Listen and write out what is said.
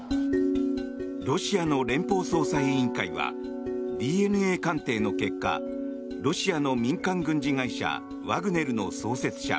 ロシアの連邦捜査委員会はＤＮＡ鑑定の結果ロシアの民間軍事会社ワグネルの創設者